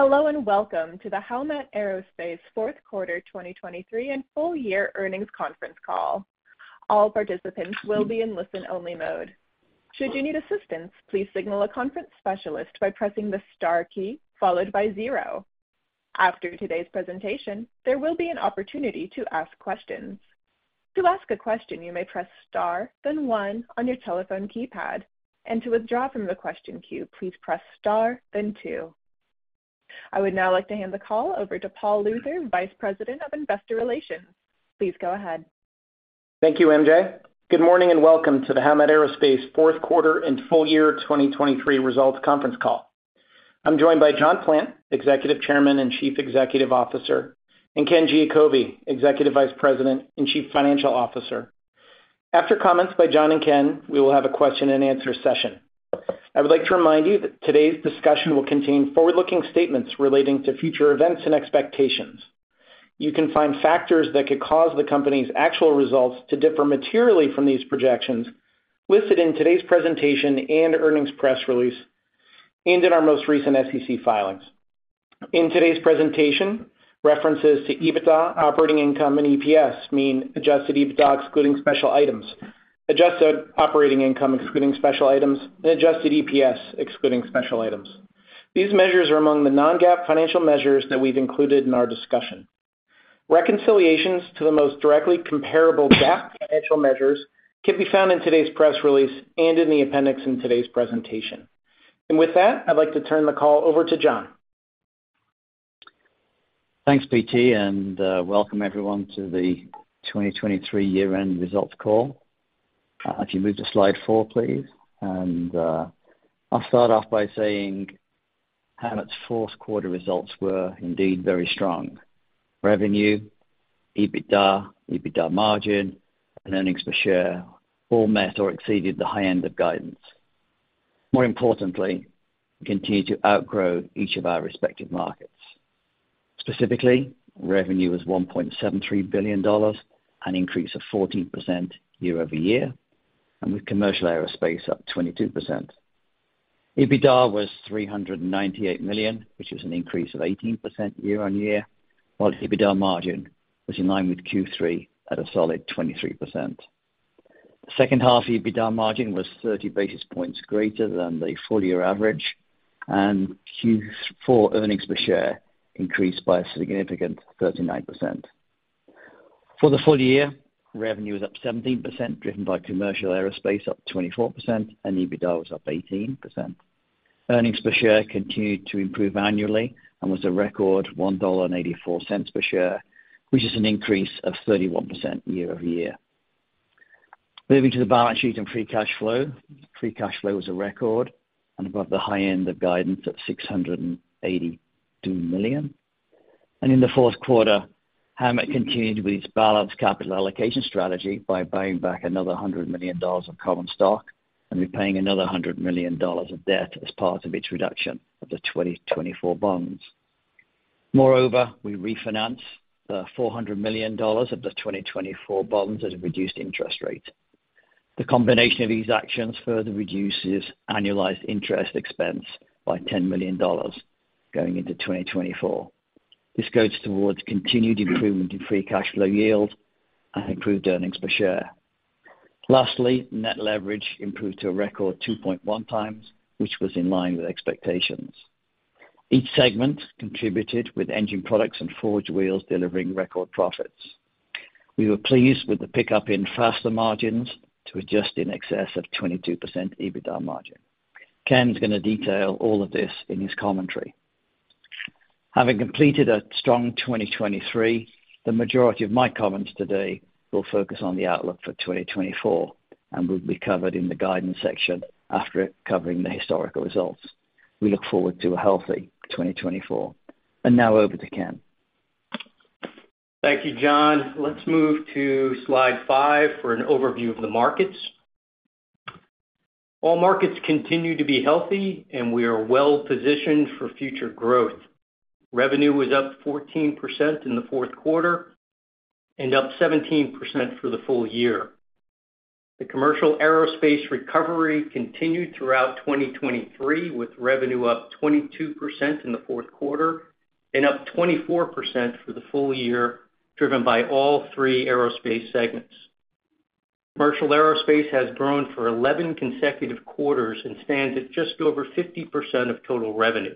Hello and welcome to the Howmet Aerospace fourth quarter 2023 and full year earnings conference call. All participants will be in listen-only mode. Should you need assistance, please signal a conference specialist by pressing the star key followed by zero. After today's presentation, there will be an opportunity to ask questions. To ask a question, you may press star, then one on your telephone keypad, and to withdraw from the question queue, please press star, then two. I would now like to hand the call over to Paul Luther, Vice President of Investor Relations. Please go ahead. Thank you, MJ. Good morning and welcome to the Howmet Aerospace fourth quarter and full year 2023 results conference call. I'm joined by John Plant, Executive Chairman and Chief Executive Officer, and Ken Giacobbe, Executive Vice President and Chief Financial Officer. After comments by John and Ken, we will have a question-and-answer session. I would like to remind you that today's discussion will contain forward-looking statements relating to future events and expectations. You can find factors that could cause the company's actual results to differ materially from these projections listed in today's presentation and earnings press release, and in our most recent SEC filings. In today's presentation, references to EBITDA, operating income, and EPS mean adjusted EBITDA excluding special items, adjusted operating income excluding special items, and adjusted EPS excluding special items. These measures are among the non-GAAP financial measures that we've included in our discussion. Reconciliations to the most directly comparable GAAP financial measures can be found in today's press release and in the appendix in today's presentation. With that, I'd like to turn the call over to John. Thanks, PT, and welcome everyone to the 2023 year-end results call. If you move to slide four, please. I'll start off by saying Howmet's fourth quarter results were indeed very strong. Revenue, EBITDA, EBITDA margin, and earnings per share all met or exceeded the high end of guidance. More importantly, we continue to outgrow each of our respective markets. Specifically, revenue was $1.73 billion, an increase of 14% year-over-year, and with commercial aerospace up 22%. EBITDA was $398 million, which is an increase of 18% year-over-year, while EBITDA margin was in line with Q3 at a solid 23%. The second half EBITDA margin was 30 basis points greater than the full year average, and Q4 earnings per share increased by a significant 39%. For the full year, revenue was up 17%, driven by commercial aerospace up 24%, and EBITDA was up 18%. Earnings per share continued to improve annually and was a record $1.84 per share, which is an increase of 31% year-over-year. Moving to the balance sheet and free cash flow, free cash flow was a record and above the high end of guidance at $682 million. In the fourth quarter, Howmet continued with its balanced capital allocation strategy by buying back another $100 million of common stock and repaying another $100 million of debt as part of its reduction of the 2024 bonds. Moreover, we refinanced the $400 million of the 2024 bonds at a reduced interest rate. The combination of these actions further reduces annualized interest expense by $10 million going into 2024. This goes towards continued improvement in free cash flow yield and improved earnings per share. Lastly, net leverage improved to a record 2.1x, which was in line with expectations. Each segment contributed with engine products and forged wheels delivering record profits. We were pleased with the pickup in fastener margins to adjust in excess of 22% EBITDA margin. Ken's going to detail all of this in his commentary. Having completed a strong 2023, the majority of my comments today will focus on the outlook for 2024, and will be covered in the guidance section after covering the historical results. We look forward to a healthy 2024. Now over to Ken. Thank you, John. Let's move to slide five for an overview of the markets. All markets continue to be healthy, and we are well positioned for future growth. Revenue was up 14% in the fourth quarter and up 17% for the full year. The commercial aerospace recovery continued throughout 2023 with revenue up 22% in the fourth quarter and up 24% for the full year, driven by all three aerospace segments. Commercial aerospace has grown for 11 consecutive quarters and stands at just over 50% of total revenue.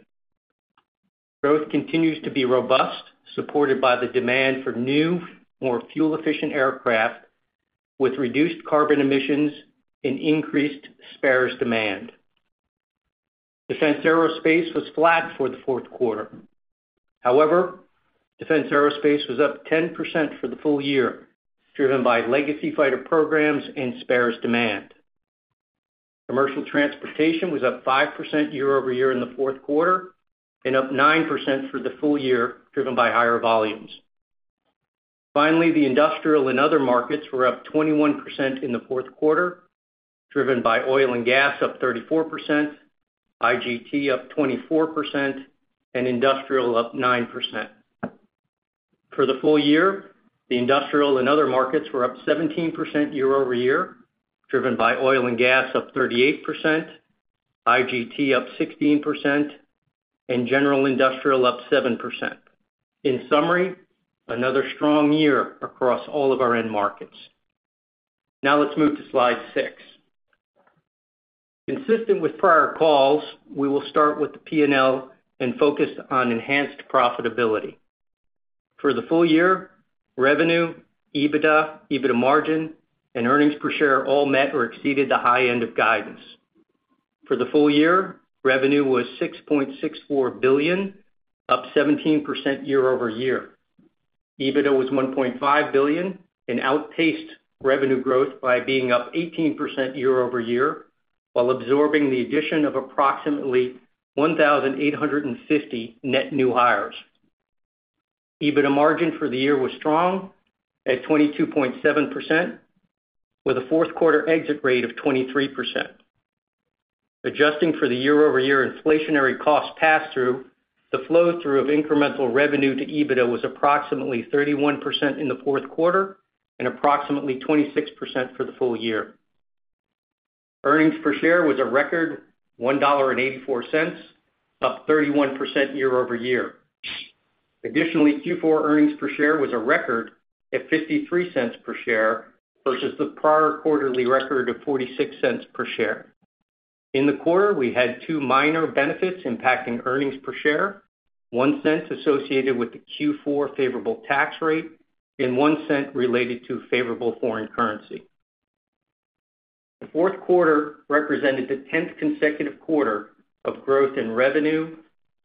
Growth continues to be robust, supported by the demand for new, more fuel-efficient aircraft with reduced carbon emissions and increased spares demand. Defense aerospace was flat for the fourth quarter. However, defense aerospace was up 10% for the full year, driven by legacy fighter programs and spares demand. Commercial transportation was up 5% year-over-year in the fourth quarter and up 9% for the full year, driven by higher volumes. Finally, the industrial and other markets were up 21% in the fourth quarter, driven by oil and gas up 34%, IGT up 24%, and industrial up 9%. For the full year, the industrial and other markets were up 17% year-over-year, driven by oil and gas up 38%, IGT up 16%, and general industrial up 7%. In summary, another strong year across all of our end markets. Now let's move to slide six. Consistent with prior calls, we will start with the P&L and focus on enhanced profitability. For the full year, revenue, EBITDA, EBITDA margin, and earnings per share all met or exceeded the high end of guidance. For the full year, revenue was $6.64 billion, up 17% year-over-year. EBITDA was $1.5 billion and outpaced revenue growth by being up 18% year-over-year while absorbing the addition of approximately 1,850 net new hires. EBITDA margin for the year was strong at 22.7% with a fourth quarter exit rate of 23%. Adjusting for the year-over-year inflationary cost pass-through, the flow-through of incremental revenue to EBITDA was approximately 31% in the fourth quarter and approximately 26% for the full year. Earnings per share was a record $1.84, up 31% year-over-year. Additionally, Q4 earnings per share was a record at $0.53 per share versus the prior quarterly record of $0.46 per share. In the quarter, we had two minor benefits impacting earnings per share: one cent associated with the Q4 favorable tax rate and one cent related to favorable foreign currency. The fourth quarter represented the tenth consecutive quarter of growth in revenue,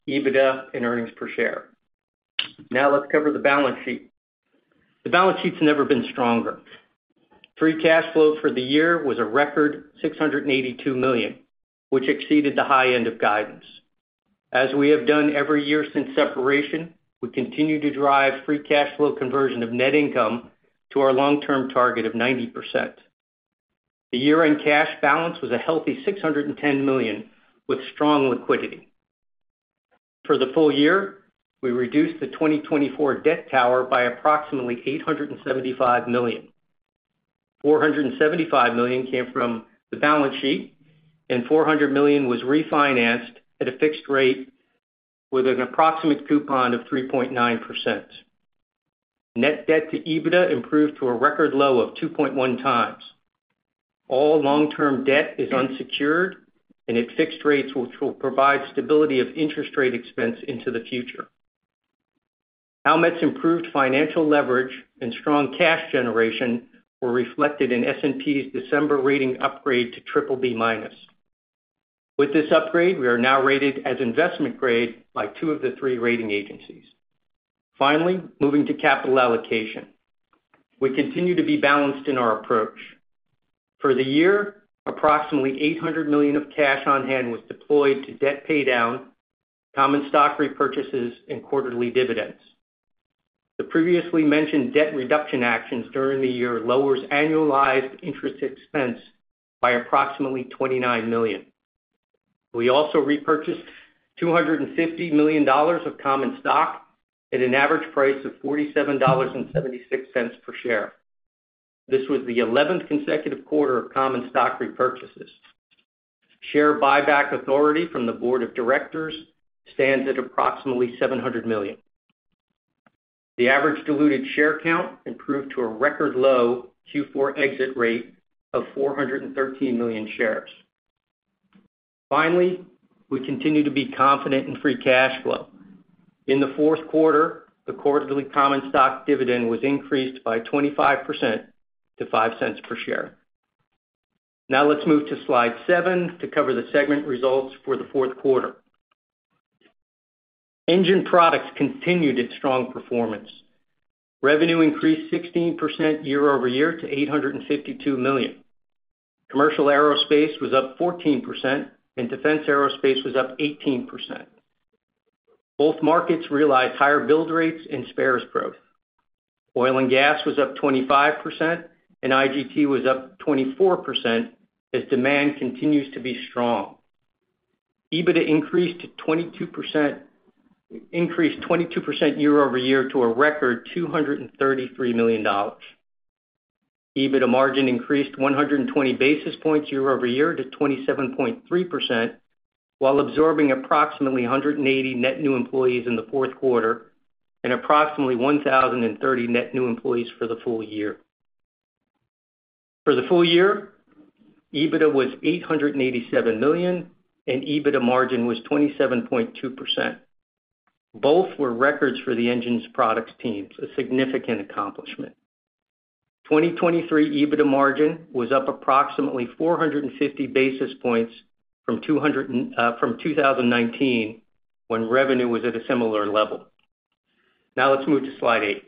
EBITDA, and earnings per share. Now let's cover the balance sheet. The balance sheet's never been stronger. Free cash flow for the year was a record $682 million, which exceeded the high end of guidance. As we have done every year since separation, we continue to drive free cash flow conversion of net income to our long-term target of 90%. The year-end cash balance was a healthy $610 million with strong liquidity. For the full year, we reduced the 2024 debt tower by approximately $875 million. $475 million came from the balance sheet, and $400 million was refinanced at a fixed rate with an approximate coupon of 3.9%. Net debt to EBITDA improved to a record low of 2.1x. All long-term debt is unsecured, and at fixed rates, which will provide stability of interest rate expense into the future. Howmet's improved financial leverage and strong cash generation were reflected in S&P's December rating upgrade to BBB. With this upgrade, we are now rated as investment grade by two of the three rating agencies. Finally, moving to capital allocation, we continue to be balanced in our approach. For the year, approximately $800 million of cash on hand was deployed to debt paydown, common stock repurchases, and quarterly dividends. The previously mentioned debt reduction actions during the year lowers annualized interest expense by approximately $29 million. We also repurchased $250 million of common stock at an average price of $47.76 per share. This was the eleventh consecutive quarter of common stock repurchases. Share buyback authority from the board of directors stands at approximately $700 million. The average diluted share count improved to a record low Q4 exit rate of 413 million shares. Finally, we continue to be confident in free cash flow. In the fourth quarter, the quarterly common stock dividend was increased by 25% to $0.05 per share. Now let's move to slide seven to cover the segment results for the fourth quarter. Engine products continued its strong performance. Revenue increased 16% year-over-year to $852 million. Commercial aerospace was up 14%, and defense aerospace was up 18%. Both markets realized higher build rates and spares growth. Oil and gas was up 25%, and IGT was up 24% as demand continues to be strong. EBITDA increased 22% year-over-year to a record $233 million. EBITDA margin increased 120 basis points year-over-year to 27.3% while absorbing approximately 180 net new employees in the fourth quarter and approximately 1,030 net new employees for the full year. For the full year, EBITDA was $887 million, and EBITDA margin was 27.2%. Both were records for the Engine Products teams, a significant accomplishment. 2023 EBITDA margin was up approximately 450 basis points from 2019 when revenue was at a similar level. Now let's move to slide eight.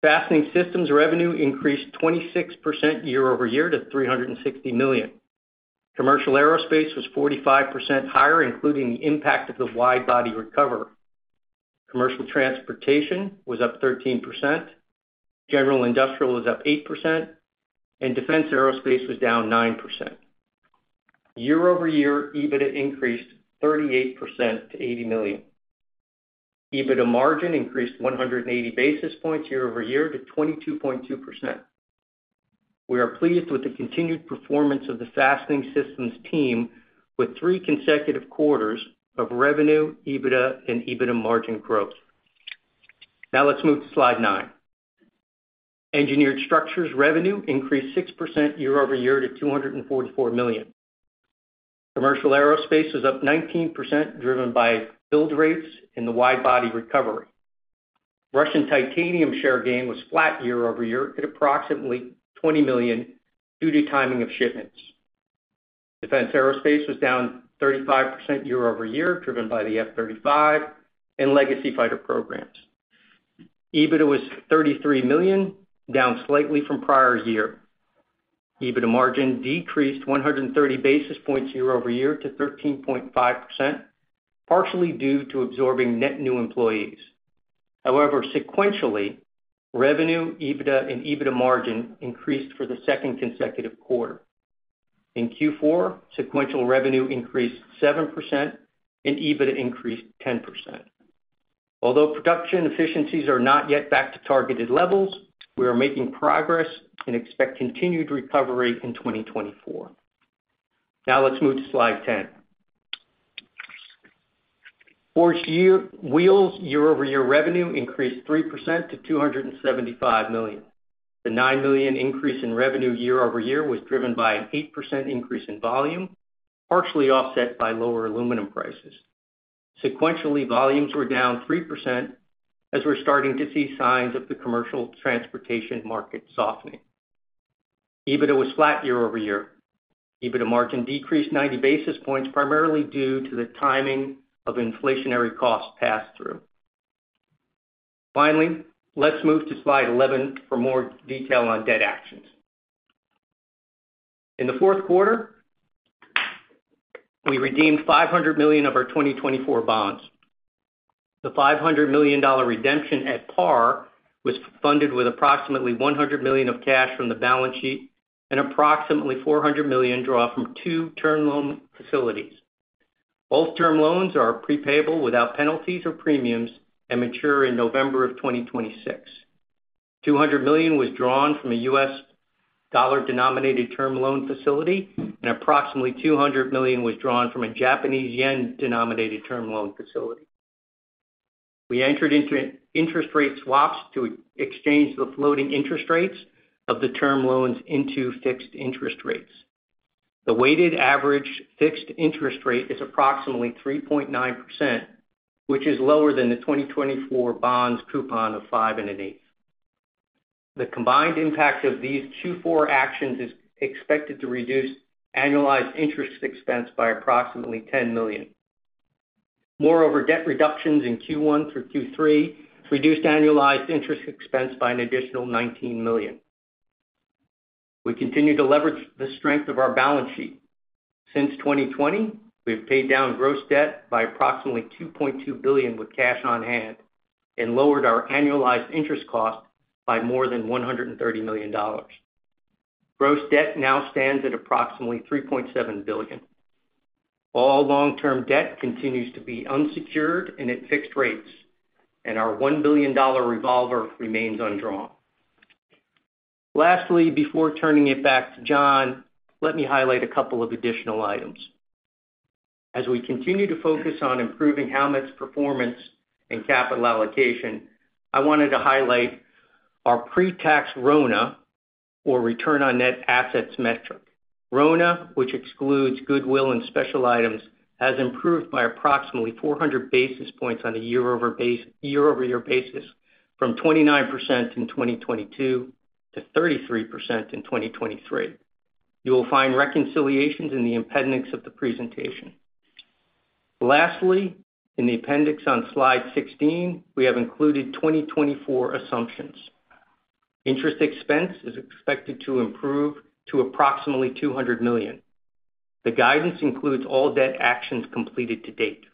Fastening systems revenue increased 26% year-over-year to $360 million. Commercial aerospace was 45% higher, including the impact of the wide-body recovery. Commercial transportation was up 13%, general industrial was up 8%, and defense aerospace was down 9%. Year-over-year, EBITDA increased 38%-$80 million. EBITDA margin increased 180 basis points year-over-year to 22.2%. We are pleased with the continued performance of the Fastening Systems team with three consecutive quarters of revenue, EBITDA, and EBITDA margin growth. Now let's move to slide nine. Engineered structures revenue increased 6% year-over-year to $244 million. Commercial aerospace was up 19% driven by build rates and the wide-body recovery. Russian titanium share gain was flat year-over-year at approximately $20 million due to timing of shipments. Defense aerospace was down 35% year-over-year driven by the F-35 and legacy fighter programs. EBITDA was $33 million, down slightly from prior year. EBITDA margin decreased 130 basis points year-over-year to 13.5%, partially due to absorbing net new employees. However, sequentially, revenue, EBITDA, and EBITDA margin increased for the second consecutive quarter. In Q4, sequential revenue increased 7%, and EBITDA increased 10%. Although production efficiencies are not yet back to targeted levels, we are making progress and expect continued recovery in 2024. Now let's move to slide 10. Forged wheels year-over-year revenue increased 3%-$275 million. The $9 million increase in revenue year-over-year was driven by an 8% increase in volume, partially offset by lower aluminum prices. Sequentially, volumes were down 3% as we're starting to see signs of the commercial transportation market softening. EBITDA was flat year-over-year. EBITDA margin decreased 90 basis points primarily due to the timing of inflationary cost pass-through. Finally, let's move to slide 11 for more detail on debt actions. In the fourth quarter, we redeemed $500 million of our 2024 bonds. The $500 million redemption at par was funded with approximately $100 million of cash from the balance sheet and approximately $400 million drawn from two term loan facilities. Both term loans are prepayable without penalties or premiums and mature in November of 2026. $200 million was drawn from a U.S. dollar-denominated term loan facility, and approximately $200 million was drawn from a Japanese yen-denominated term loan facility. We entered into interest rate swaps to exchange the floating interest rates of the term loans into fixed interest rates. The weighted average fixed interest rate is approximately 3.9%, which is lower than the 2024 bonds coupon of 5.125%. The combined impact of these Q4 actions is expected to reduce annualized interest expense by approximately $10 million. Moreover, debt reductions in Q1 through Q3 reduced annualized interest expense by an additional $19 million. We continue to leverage the strength of our balance sheet. Since 2020, we have paid down gross debt by approximately $2.2 billion with cash on hand and lowered our annualized interest cost by more than $130 million. Gross debt now stands at approximately $3.7 billion. All long-term debt continues to be unsecured and at fixed rates, and our $1 billion revolver remains undrawn. Lastly, before turning it back to John, let me highlight a couple of additional items. As we continue to focus on improving Howmet's performance and capital allocation, I wanted to highlight our pre-tax RONA, or return on net assets metric. RONA, which excludes goodwill and special items, has improved by approximately 400 basis points on a year-over-year basis from 29% in 2022 to 33% in 2023. You will find reconciliations in the appendix of the presentation. Lastly, in the appendix on slide 16, we have included 2024 assumptions. Interest expense is expected to improve to approximately $200 million. The guidance includes all debt actions completed to date.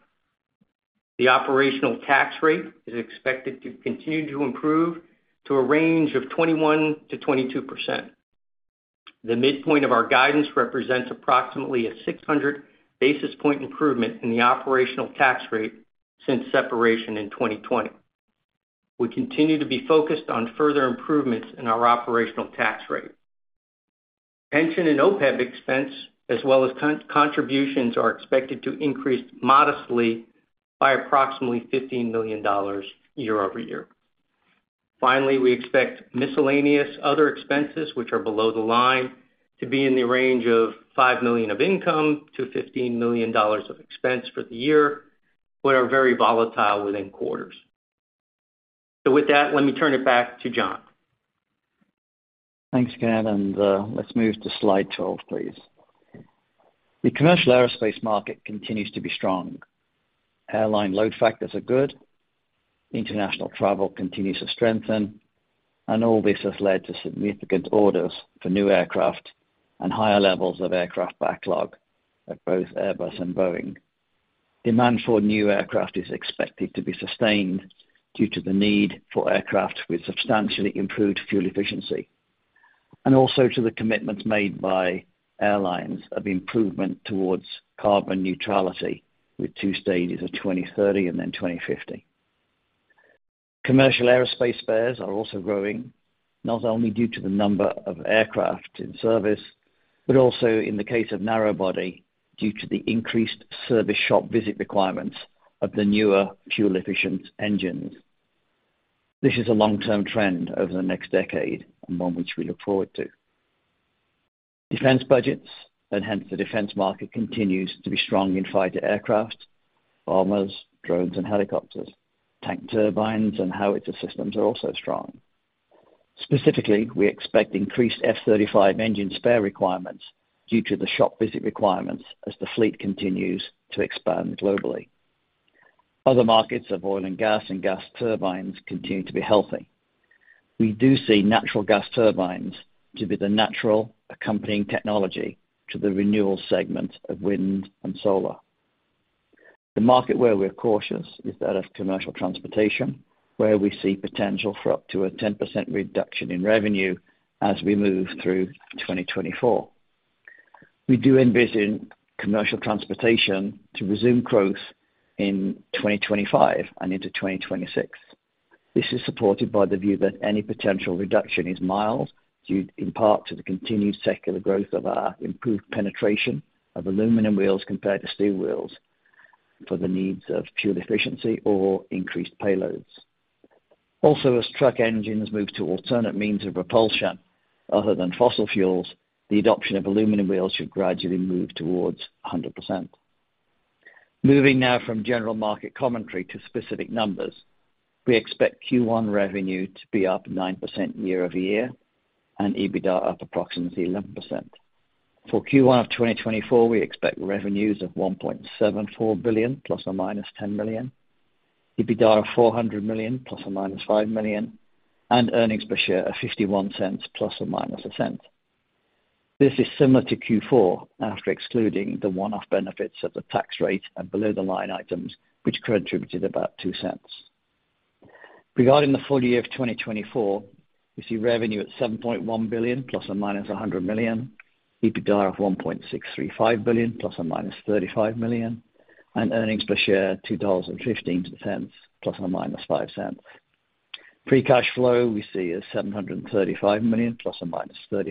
The operational tax rate is expected to continue to improve to a range of 21%-22%. The midpoint of our guidance represents approximately a 600 basis point improvement in the operational tax rate since separation in 2020. We continue to be focused on further improvements in our operational tax rate. Pension and OPEB expense, as well as contributions, are expected to increase modestly by approximately $15 million year-over-year. Finally, we expect miscellaneous other expenses, which are below the line, to be in the range of $5 million of income to $15 million of expense for the year, but are very volatile within quarters. So with that, let me turn it back to John. Thanks, Ken. And let's move to slide 12, please. The commercial aerospace market continues to be strong. Airline load factors are good. International travel continues to strengthen, and all this has led to significant orders for new aircraft and higher levels of aircraft backlog at both Airbus and Boeing. Demand for new aircraft is expected to be sustained due to the need for aircraft with substantially improved fuel efficiency and also to the commitments made by airlines of improvement towards carbon neutrality with two stages of 2030 and then 2050. Commercial aerospace spares are also growing, not only due to the number of aircraft in service but also in the case of narrow-body due to the increased service shop visit requirements of the newer fuel-efficient engines. This is a long-term trend over the next decade and one which we look forward to. Defense budgets, and hence the defense market, continues to be strong in fighter aircraft, bombers, drones, and helicopters. Tank turbines and howitzer systems are also strong. Specifically, we expect increased F-35 engine spare requirements due to the shop visit requirements as the fleet continues to expand globally. Other markets of oil and gas and gas turbines continue to be healthy. We do see natural gas turbines to be the natural accompanying technology to the renewal segment of wind and solar. The market where we're cautious is that of commercial transportation, where we see potential for up to a 10% reduction in revenue as we move through 2024. We do envision commercial transportation to resume growth in 2025 and into 2026. This is supported by the view that any potential reduction is mild due in part to the continued secular growth of our improved penetration of aluminum wheels compared to steel wheels for the needs of fuel efficiency or increased payloads. Also, as truck engines move to alternate means of propulsion other than fossil fuels, the adoption of aluminum wheels should gradually move towards 100%. Moving now from general market commentary to specific numbers, we expect Q1 revenue to be up 9% year over year and EBITDA up approximately 11%. For Q1 of 2024, we expect revenues of $1.74 billion ± $10 million, EBITDA of $400 million ± $5 million, and earnings per share of $0.51 ± $0.01. This is similar to Q4 after excluding the one-off benefits of the tax rate and below-the-line items, which contributed about $0.02. Regarding the full year of 2024, we see revenue at $7.1 billion ± $100 million, EBITDA of $1.635 billion ± $35 million, and earnings per share $2.15 ± $0.05. Free cash flow we see as $735 million ±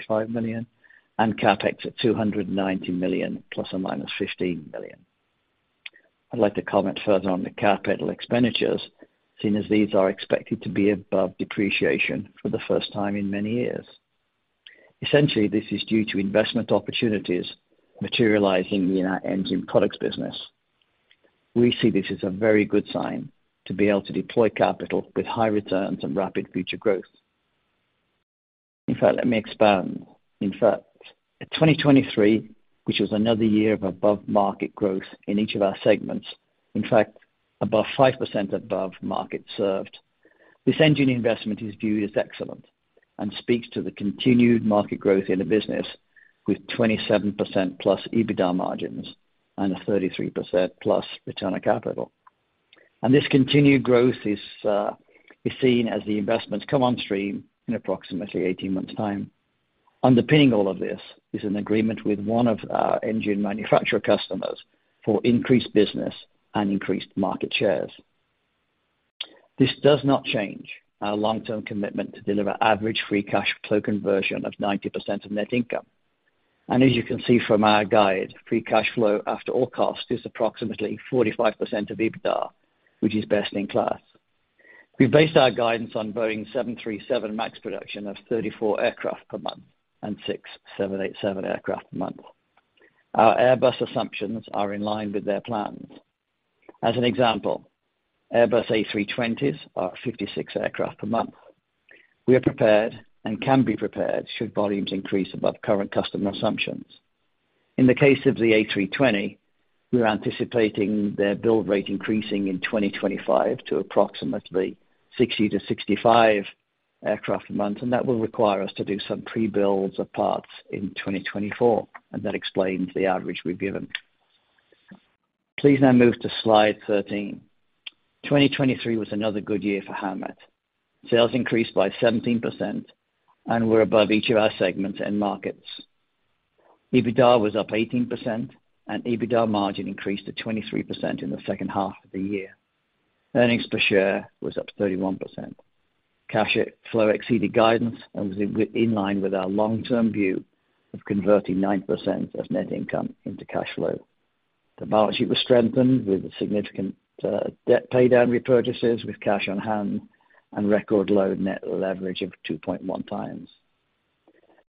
$35 million, and CapEx at $290 million ± $15 million. I'd like to comment further on the capital expenditures, seeing as these are expected to be above depreciation for the first time in many years. Essentially, this is due to investment opportunities materializing in our engine products business. We see this as a very good sign to be able to deploy capital with high returns and rapid future growth. In fact, let me expand. In fact, at 2023, which was another year of above-market growth in each of our segments, in fact, above 5% above market served, this engine investment is viewed as excellent and speaks to the continued market growth in the business with 27%+ EBITDA margins and a 33%+ return on capital. This continued growth is seen as the investments come on stream in approximately 18 months' time. Underpinning all of this is an agreement with one of our engine manufacturer customers for increased business and increased market shares. This does not change our long-term commitment to deliver average free cash flow conversion of 90% of net income. As you can see from our guide, free cash flow after all costs is approximately 45% of EBITDA, which is best in class. We've based our guidance on Boeing 737 MAX production of 34 aircraft per month and 6 787 aircraft per month. Our Airbus assumptions are in line with their plans. As an example, Airbus A320s are 56 aircraft per month. We are prepared and can be prepared should volumes increase above current customer assumptions. In the case of the A320, we're anticipating their build rate increasing in 2025 to approximately 60-65 aircraft a month, and that will require us to do some pre-builds of parts in 2024, and that explains the average we've given. Please now move to slide 13. 2023 was another good year for Howmet. Sales increased by 17%, and we're above each of our segments and markets. EBITDA was up 18%, and EBITDA margin increased to 23% in the second half of the year. Earnings per share was up 31%. Cash flow exceeded guidance and was in line with our long-term view of converting 9% of net income into cash flow. The balance sheet was strengthened with significant debt paydown repurchases with cash on hand and record low net leverage of 2.1x.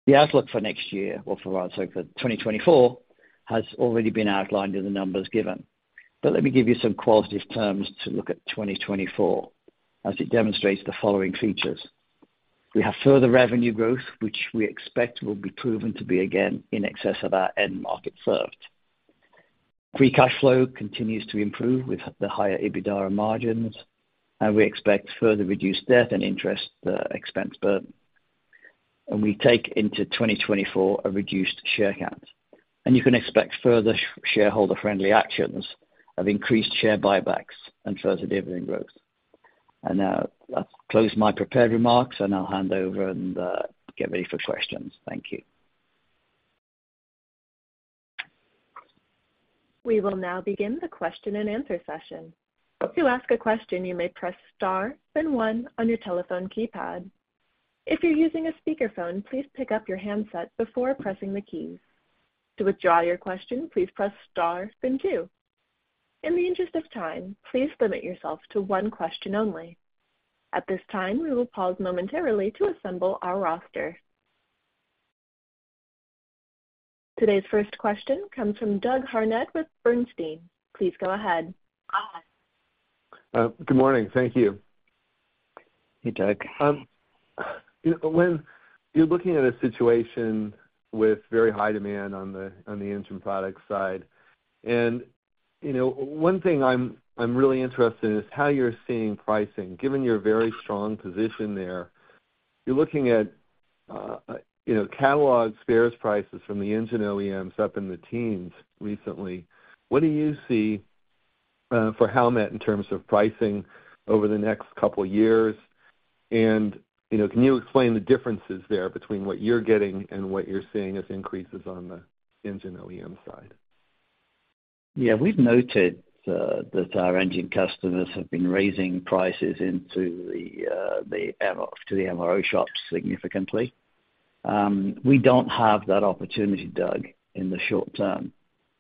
The outlook for next year or for so for 2024 has already been outlined in the numbers given. But let me give you some qualitative terms to look at 2024 as it demonstrates the following features. We have further revenue growth, which we expect will be proven to be again in excess of our end market served. Free cash flow continues to improve with the higher EBITDA and margins, and we expect further reduced debt and interest expense burden. And we take into 2024 a reduced share count. And you can expect further shareholder-friendly actions of increased share buybacks and further dividend growth. And now that closes my prepared remarks, and I'll hand over and get ready for questions. Thank you. We will now begin the question-and-answer session. To ask a question, you may press star, then 1 on your telephone keypad. If you're using a speakerphone, please pick up your handset before pressing the keys. To withdraw your question, please press star, then two. In the interest of time, please limit yourself to one question only. At this time, we will pause momentarily to assemble our roster. Today's first question comes from Doug Harned with Bernstein. Please go ahead. Good morning. Thank you. Hey, Doug. When you're looking at a situation with very high demand on the engine product side, and one thing I'm really interested in is how you're seeing pricing. Given your very strong position there, you're looking at catalog spares prices from the engine OEMs up in the teens recently. What do you see for Howmet in terms of pricing over the next couple of years? And can you explain the differences there between what you're getting and what you're seeing as increases on the engine OEM side? Yeah. We've noted that our engine customers have been raising prices into the MRO shops significantly. We don't have that opportunity, Doug, in the short term,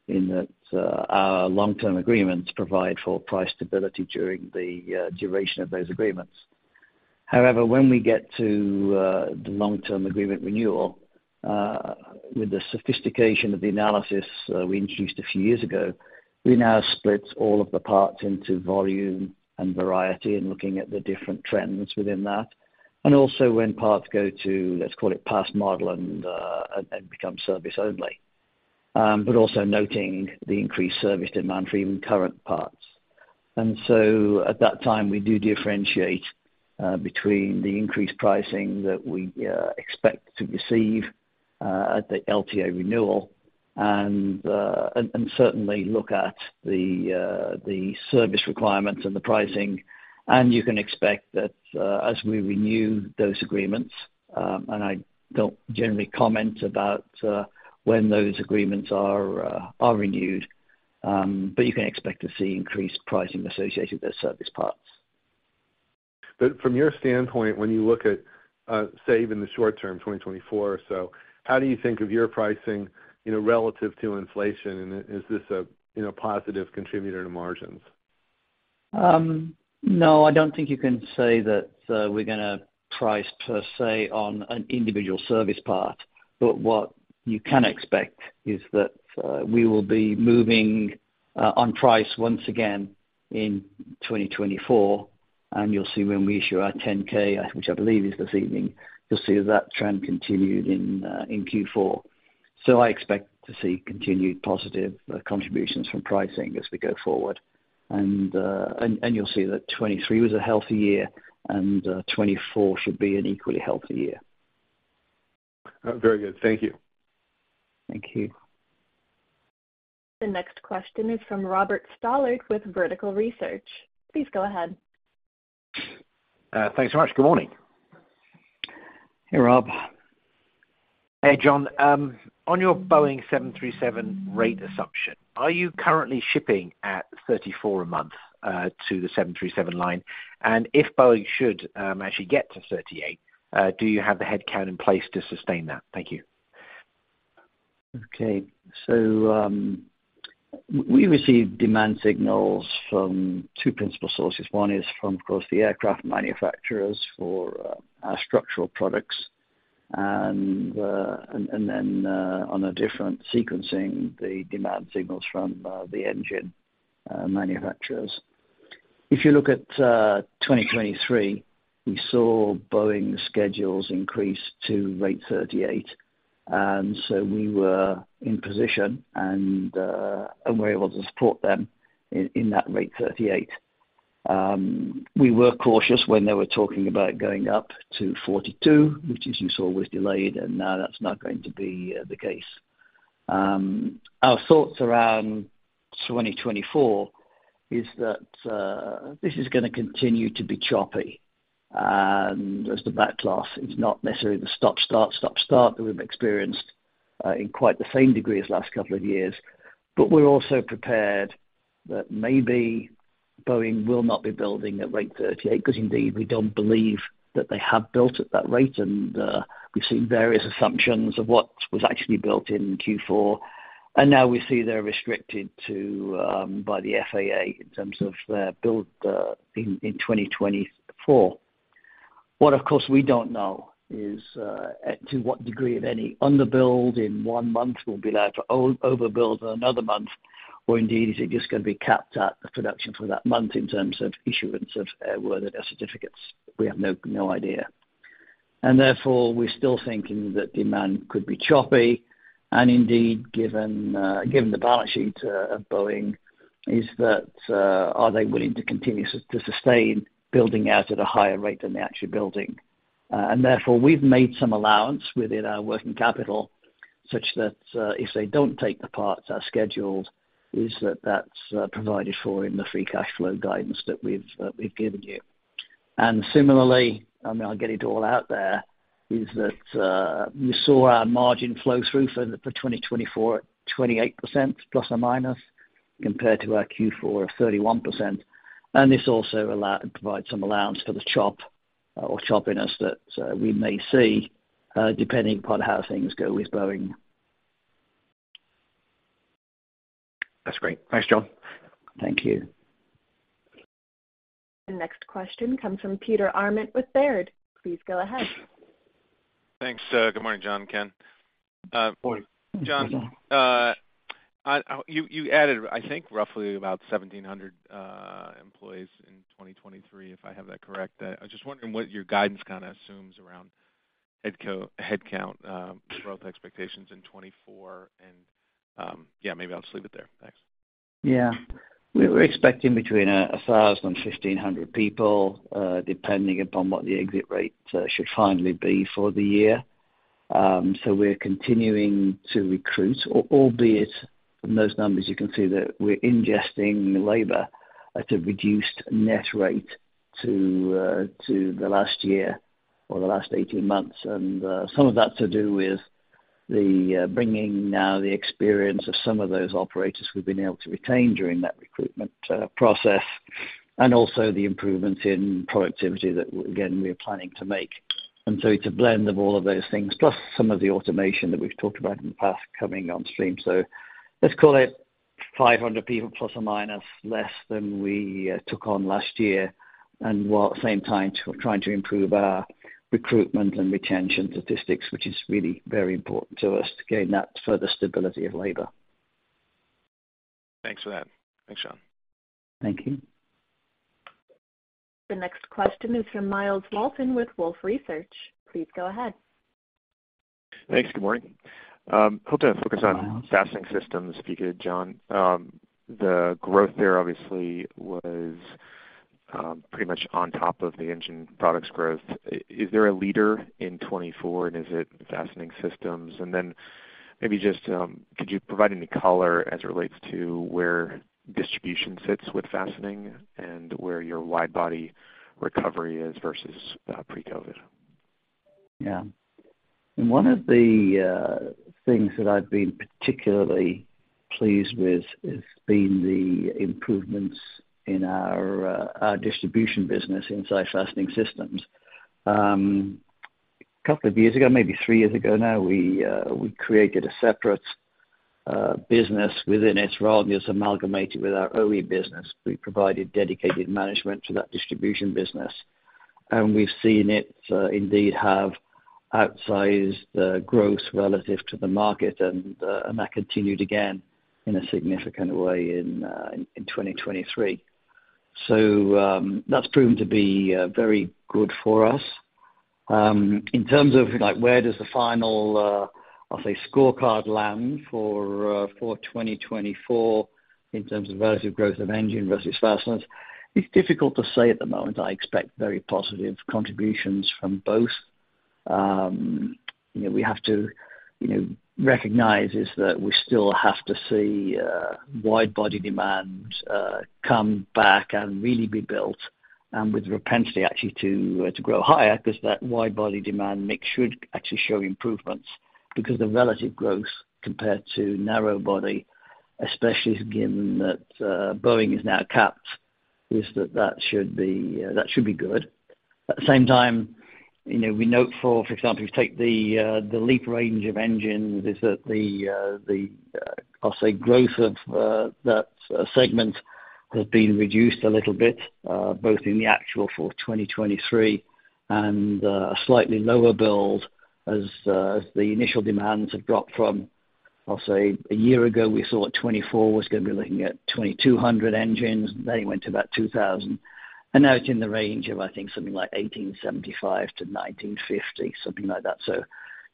in that our long-term agreements provide for price stability during the duration of those agreements. However, when we get to the long-term agreement renewal, with the sophistication of the analysis we introduced a few years ago, we now split all of the parts into volume and variety and looking at the different trends within that. And also when parts go to, let's call it, past model and become service only, but also noting the increased service demand for even current parts. And so at that time, we do differentiate between the increased pricing that we expect to receive at the LTA renewal and certainly look at the service requirements and the pricing. You can expect that as we renew those agreements and I don't generally comment about when those agreements are renewed, but you can expect to see increased pricing associated with those service parts. But from your standpoint, when you look at, say, even the short term, 2024 or so, how do you think of your pricing relative to inflation? And is this a positive contributor to margins? No, I don't think you can say that we're going to price, per se, on an individual service part. But what you can expect is that we will be moving on price once again in 2024, and you'll see when we issue our 10-K, which I believe is this evening. You'll see that trend continued in Q4. So I expect to see continued positive contributions from pricing as we go forward. And you'll see that 2023 was a healthy year, and 2024 should be an equally healthy year. Very good. Thank you. Thank you. The next question is from Robert Stallard with Vertical Research. Please go ahead. Thanks so much. Good morning. Hey, Rob. Hey, John. On your Boeing 737 rate assumption, are you currently shipping at 34 a month to the 737 line? And if Boeing should actually get to 38, do you have the headcount in place to sustain that? Thank you. Okay. So we receive demand signals from two principal sources. One is from, of course, the aircraft manufacturers for our structural products. And then on a different sequencing, the demand signals from the engine manufacturers. If you look at 2023, we saw Boeing's schedules increase to rate 38. And so we were in position, and we're able to support them in that rate 38. We were cautious when they were talking about going up to 42, which, as you saw, was delayed, and now that's not going to be the case. Our thoughts around 2024 is that this is going to continue to be choppy. And as the backlash, it's not necessarily the stop, start, stop, start that we've experienced in quite the same degree as last couple of years. But we're also prepared that maybe Boeing will not be building at rate 38 because, indeed, we don't believe that they have built at that rate. We've seen various assumptions of what was actually built in Q4. And now we see they're restricted by the FAA in terms of their build in 2024. What, of course, we don't know is to what degree, if any, underbuild in one month will be allowed to overbuild in another month, or indeed, is it just going to be capped at the production for that month in terms of issuance of airworthiness certificates? We have no idea. And therefore, we're still thinking that demand could be choppy. And indeed, given the balance sheet of Boeing, is that are they willing to continue to sustain building out at a higher rate than they're actually building? Therefore, we've made some allowance within our working capital such that if they don't take the parts as scheduled, that's provided for in the free cash flow guidance that we've given you. And similarly, I mean, I'll get it all out there, you saw our margin flow through for 2024 at 28% ± compared to our Q4 of 31%. And this also provides some allowance for the chop or choppiness that we may see depending upon how things go with Boeing. That's great. Thanks, John. Thank you. The next question comes from Peter Arment with Baird. Please go ahead. Thanks. Good morning, John, Ken. Morning. John, you added, I think, roughly about 1,700 employees in 2023, if I have that correct. I was just wondering what your guidance kind of assumes around headcount, growth expectations in 2024. And yeah, maybe I'll just leave it there. Thanks. Yeah. We're expecting between 1,000 and 1,500 people depending upon what the exit rate should finally be for the year. So we're continuing to recruit, albeit from those numbers, you can see that we're ingesting labor at a reduced net rate to the last year or the last 18 months. And some of that's to do with bringing now the experience of some of those operators we've been able to retain during that recruitment process and also the improvements in productivity that, again, we are planning to make. And so it's a blend of all of those things plus some of the automation that we've talked about in the past coming on stream. Let's call it 500 people plus or minus less than we took on last year and at the same time trying to improve our recruitment and retention statistics, which is really very important to us to gain that further stability of labor. Thanks for that. Thanks, John. Thank you. The next question is from Myles Walton with Wolfe Research. Please go ahead. Thanks. Good morning. Hope to focus on fastening systems if you could, John. The growth there, obviously, was pretty much on top of the engine products growth. Is there a leader in 2024, and is it fastening systems? And then maybe just could you provide any color as it relates to where distribution sits with fastening and where your wide-body recovery is versus pre-COVID? Yeah. And one of the things that I've been particularly pleased with has been the improvements in our distribution business inside fastening systems. A couple of years ago, maybe three years ago now, we created a separate business within its role and just amalgamated with our OE business. We provided dedicated management for that distribution business. And we've seen it indeed have outsized growth relative to the market, and that continued again in a significant way in 2023. So that's proven to be very good for us. In terms of where does the final, I'll say, scorecard land for 2024 in terms of relative growth of engine versus fasteners, it's difficult to say at the moment. I expect very positive contributions from both. We have to recognize that we still have to see wide-body demand come back and really be built and with propensity actually to grow higher because that wide-body demand mix should actually show improvements because the relative growth compared to narrow-body, especially given that Boeing is now capped, is that that should be good. At the same time, we note, for example, if you take the LEAP range of engines, that the, I'll say, growth of that segment has been reduced a little bit both in the actual for 2023 and a slightly lower build as the initial demands have dropped from, I'll say, a year ago, we saw 2024 was going to be looking at 2,200 engines. Then it went to about 2,000. And now it's in the range of, I think, something like 1,875-1,950, something like that. So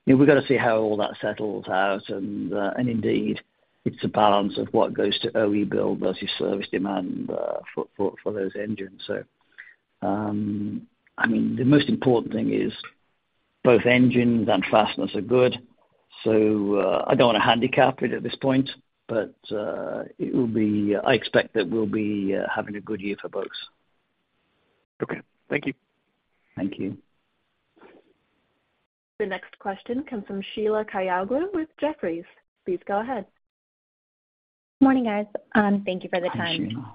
we've got to see how all that settles out. And indeed, it's a balance of what goes to OE build versus service demand for those engines. So I mean, the most important thing is both engines and fasteners are good. So I don't want to handicap it at this point, but I expect that we'll be having a good year for both. Okay. Thank you. Thank you. The next question comes from Sheila Kahyaoglu with Jefferies. Please go ahead. Good morning, guys. Thank you for the time. Hi, Sheila.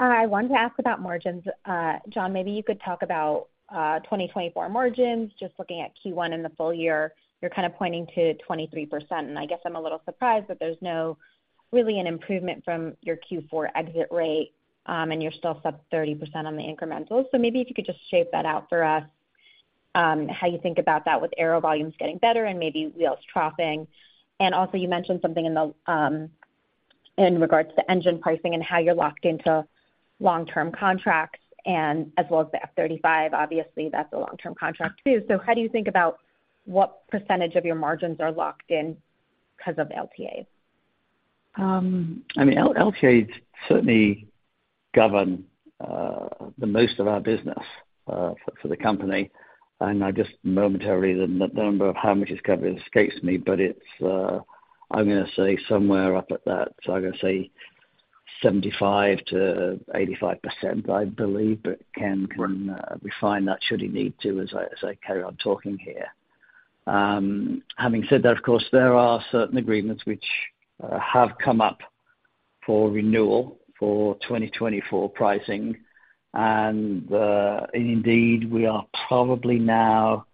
I wanted to ask about margins. John, maybe you could talk about 2024 margins. Just looking at Q1 in the full year, you're kind of pointing to 23%. And I guess I'm a little surprised that there's really an improvement from your Q4 exit rate, and you're still sub-30% on the incrementals. So maybe if you could just shape that out for us, how you think about that with aero volumes getting better and maybe wheels chopping. And also, you mentioned something in regards to engine pricing and how you're locked into long-term contracts as well as the F-35. Obviously, that's a long-term contract too. So how do you think about what percentage of your margins are locked in because of LTAs? I mean, LTAs certainly govern the most of our business for the company. Just momentarily, the number of how much is covered escapes me. But I'm going to say somewhere up at that, I'm going to say, 75%-85%, I believe. But Ken can refine that should he need to as I carry on talking here. Having said that, of course, there are certain agreements which have come up for renewal for 2024 pricing. And indeed, we are probably now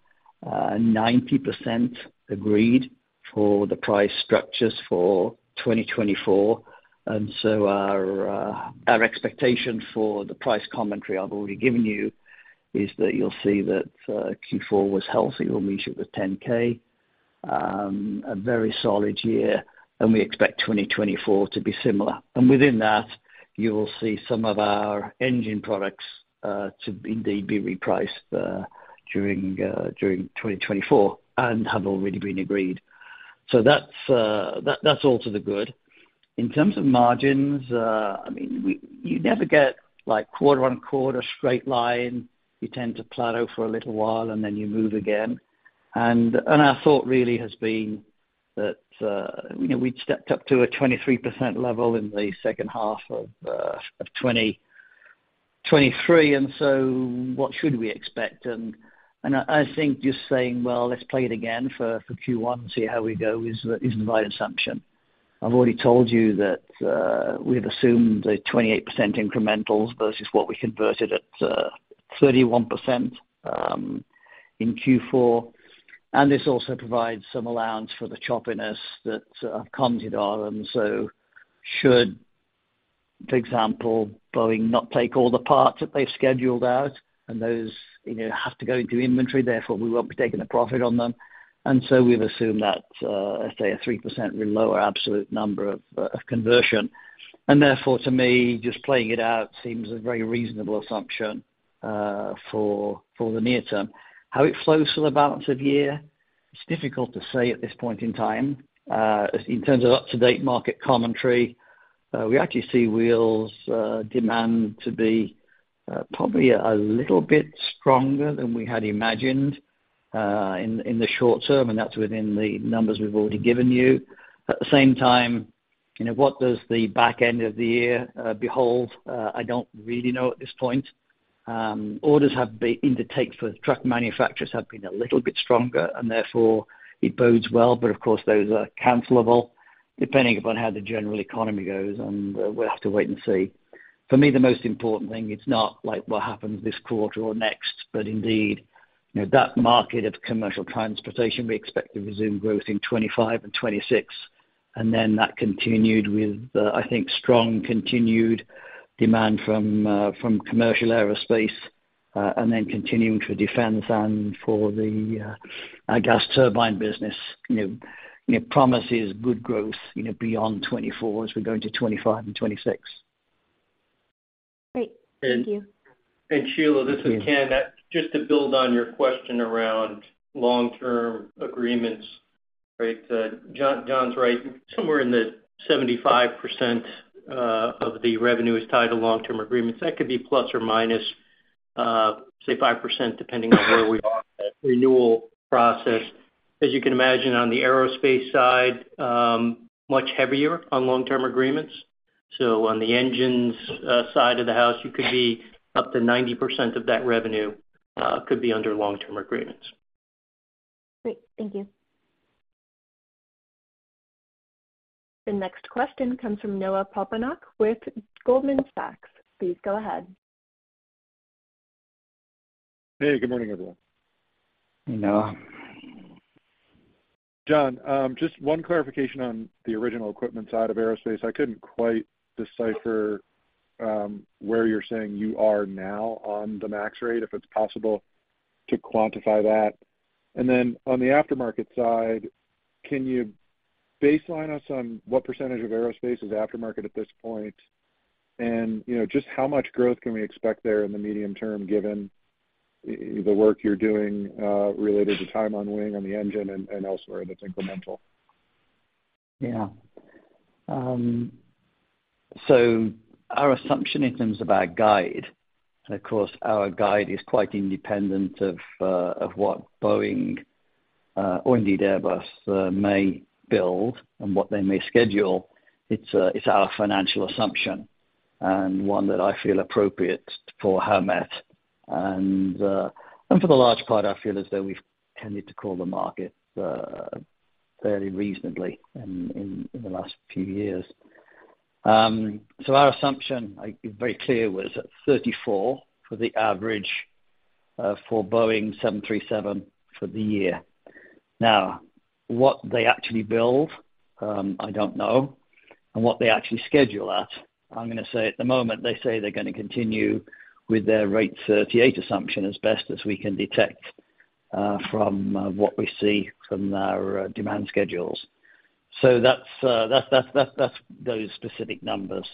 90% agreed for the price structures for 2024. And so our expectation for the price commentary I've already given you is that you'll see that Q4 was healthy. We'll meet you with 10-K, a very solid year. And we expect 2024 to be similar. And within that, you will see some of our engine products to indeed be repriced during 2024 and have already been agreed. So that's all to the good. In terms of margins, I mean, you never get quarter-on-quarter straight line. You tend to plateau for a little while, and then you move again. And our thought really has been that we'd stepped up to a 23% level in the second half of 2023. And so what should we expect? And I think just saying, "Well, let's play it again for Q1 and see how we go," is the right assumption. I've already told you that we've assumed a 28% incrementals versus what we converted at 31% in Q4. And this also provides some allowance for the choppiness that I've commented on. And so, should, for example, Boeing not take all the parts that they've scheduled out and those have to go into inventory, therefore, we won't be taking a profit on them. So we've assumed that, let's say, a 3% lower absolute number of conversion. Therefore, to me, just playing it out seems a very reasonable assumption for the near term. How it flows for the balance of year, it's difficult to say at this point in time. In terms of up-to-date market commentary, we actually see wheels demand to be probably a little bit stronger than we had imagined in the short term, and that's within the numbers we've already given you. At the same time, what does the back end of the year behold? I don't really know at this point. Orders intake for truck manufacturers have been a little bit stronger, and therefore, it bodes well. But of course, those are cancellable depending upon how the general economy goes. We'll have to wait and see. For me, the most important thing, it's not what happens this quarter or next, but indeed, that market of commercial transportation, we expect to resume growth in 2025 and 2026. And then that continued with, I think, strong continued demand from commercial aerospace and then continuing to defend demand for our gas turbine business. Promises good growth beyond 2024 as we go into 2025 and 2026. Great. Thank you. Sheila, this is Ken. Just to build on your question around long-term agreements, right, John's right. Somewhere in the 75% of the revenue is tied to long-term agreements. That could be ±5% depending on where we are in the renewal process. As you can imagine, on the aerospace side, much heavier on long-term agreements. So on the engines side of the house, you could be up to 90% of that revenue could be under long-term agreements. Great. Thank you. The next question comes from Noah Poponak with Goldman Sachs. Please go ahead. Hey. Good morning, everyone. Hey, Noah. John, just one clarification on the original equipment side of aerospace. I couldn't quite decipher where you're saying you are now on the max rate, if it's possible to quantify that. And then on the aftermarket side, can you baseline us on what percentage of aerospace is aftermarket at this point and just how much growth can we expect there in the medium term given the work you're doing related to time on wing, on the engine, and elsewhere that's incremental? Yeah. So our assumption in terms of our guide and of course, our guide is quite independent of what Boeing or indeed, Airbus may build and what they may schedule. It's our financial assumption and one that I feel appropriate for Howmet. And for the large part, I feel as though we've tended to call the market fairly reasonably in the last few years. So our assumption, it's very clear, was at 34 for the average for Boeing 737 for the year. Now, what they actually build, I don't know. And what they actually schedule at, I'm going to say at the moment, they say they're going to continue with their rate 38 assumption as best as we can detect from what we see from our demand schedules. So that's those specific numbers.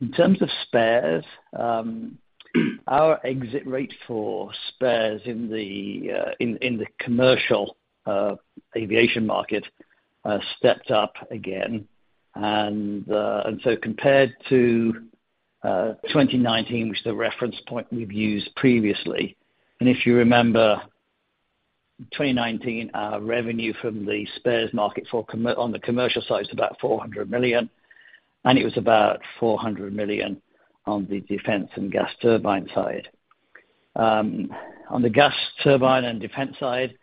In terms of spares, our exit rate for spares in the commercial aviation market stepped up again. Compared to 2019, which is the reference point we've used previously, and if you remember 2019, our revenue from the spares market on the commercial side is about $400 million. It was about $400 million on the defense and gas turbine side. On the gas turbine and defense side,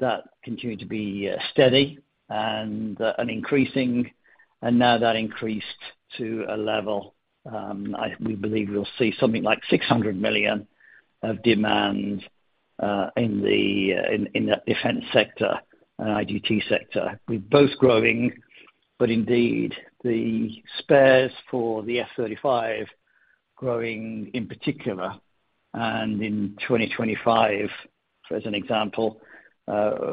that continued to be steady and increasing. Now that increased to a level we believe we'll see something like $600 million of demand in that defense sector and IGT sector with both growing. But indeed, the spares for the F-35 growing in particular. In 2025, for as an example,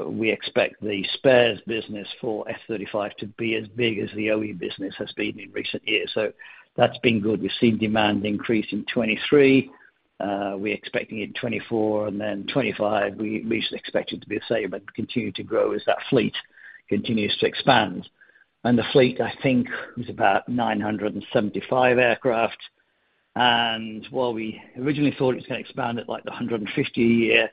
we expect the spares business for F-35 to be as big as the OE business has been in recent years. That's been good. We've seen demand increase in 2023. We're expecting it in 2024. And then 2025, we just expect it to be the same and continue to grow as that fleet continues to expand. And the fleet, I think, was about 975 aircraft. And while we originally thought it was going to expand at like the 150 a year,